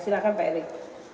silahkan pak erik